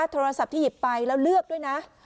โทรศัพท์ที่หยิบไปแล้วเลือกด้วยนะ